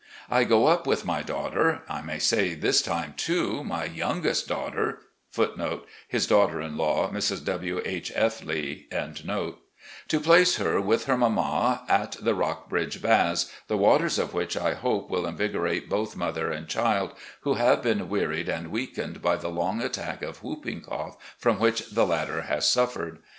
... I go up with my daughter, I may say this time, too, my youngest daughter*, to place her with her mama at the Rockbridge Baths, the waters of which I hope will invigor ate both mother and child, who have been wearied and weakened by the long attack of whooping cough from which the latter has suffered.